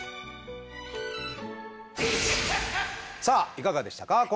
さあいかがでしたか？